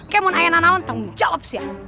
kayak mau ayah nanak tau gak jawab sih ya